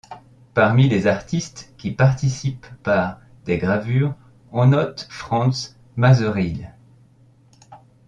Parmi les artistes qui participent par des gravures on note Frans Masereel.